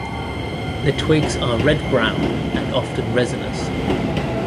The twigs are red-brown and often resinous.